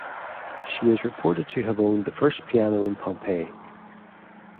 She is reported to have owned the first piano in Pompey.